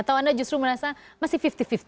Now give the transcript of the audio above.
atau anda justru merasa masih lima puluh lima puluh